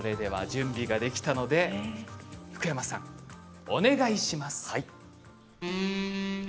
準備ができたので福山さんお願いします。